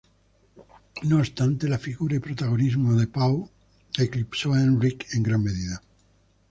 No obstante, la figura y protagonismo de Pau eclipsó a Enric en gran medida.